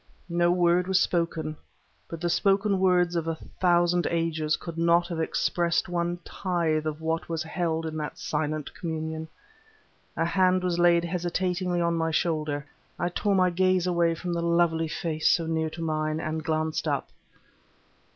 No word was spoken, but the spoken words of a thousand ages could not have expressed one tithe of what was held in that silent communion. A hand was laid hesitatingly on my shoulder. I tore my gaze away from the lovely face so near to mine, and glanced up.